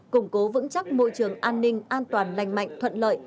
củng cố vững chắc môi trường an ninh an toàn lành mạnh thuận lợi